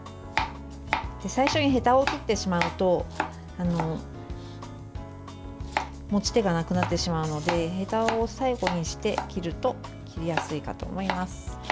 最初にへたを取ってしまうと持ち手がなくなってしまうのでへたを最後にして切ると切りやすいかと思います。